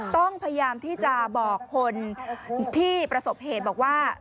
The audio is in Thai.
ต้องพยายามที่จะบอกคนที่ประสบเหตุบอกว่า